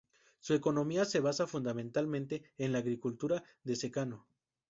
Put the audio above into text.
Su economía se basa fundamentalmente en la agricultura de secano.